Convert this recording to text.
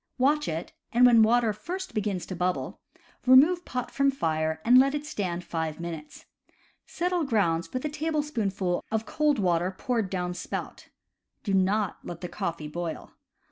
Watch it, and when water first begins to bubble, remove pot from fire and let it stand five minutes. Settle grounds with a tablespoonful of cold water poured down spout. Do not let the coffee boil.